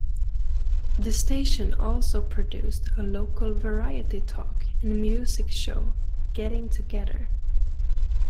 The station also produced a local variety talk and music show, "Getting Together".